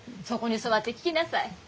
そこに座って聞きなさい。